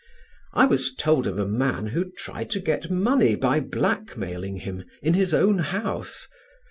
I was told of a man who tried to get money by blackmailing him in his own house.